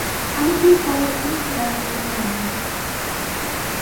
অনেক দিন পরে এখানে ছোলাভাজা খেয়ে আনন্দ।